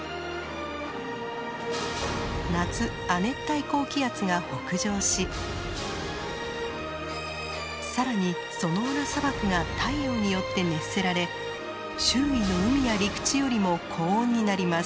夏亜熱帯高気圧が北上し更にソノーラ砂漠が太陽によって熱せられ周囲の海や陸地よりも高温になります。